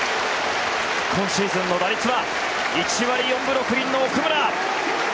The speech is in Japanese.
今シーズンの打率は１割４分６厘の奥村。